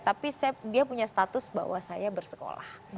tapi dia punya status bahwa saya bersekolah